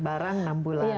barang enam bulan